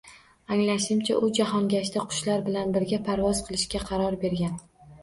Anglashimcha, u jahongashta qushlar bilan birga parvoz qilishga qaror bergan.